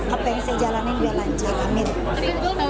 apa yang saya jalanin biar lancar amin